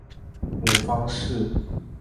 母方氏。